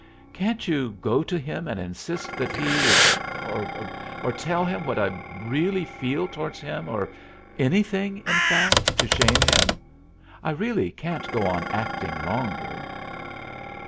"Can't you go to him and insist that he or tell him what I really feel towards him or anything, in fact, to shame him? I really can't go on acting longer."